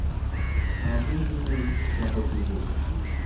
Ntabwo nzi neza icyo ushaka kuvuga.